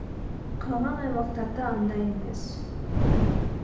Калган аймактарда андай эмес.